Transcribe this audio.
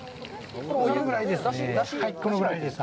このぐらいです。